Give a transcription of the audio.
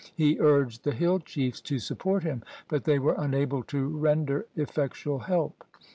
He urged the hill chiefs to support him, but they were unable to render effectual help.